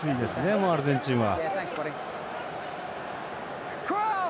もうアルゼンチンは。